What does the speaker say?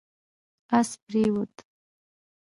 اس پرېووت